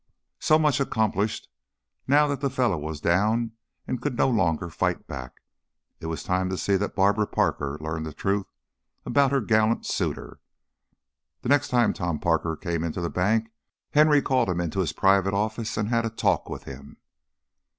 So much accomplished; now that the fellow was down and could no longer fight back, it was time to see that Barbara Parker learned the truth about her gallant suitor. The next time Tom Parker came into the bank Henry called him into his private office and had a talk with him.